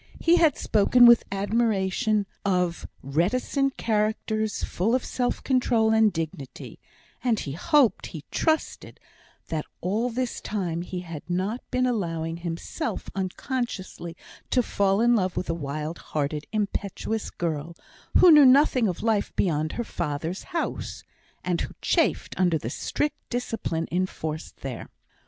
He had spoken with admiration of reticent characters, full of self control and dignity; and he hoped he trusted, that all this time he had not been allowing himself unconsciously to fall in love with a wild hearted, impetuous girl, who knew nothing of life beyond her father's house, and who chafed under the strict discipline enforced there.